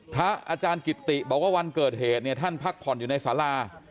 พระอาจารย์กิตติบอกว่าวันเกิดเหตุเนี่ยท่านพักผ่อนอยู่ในสารา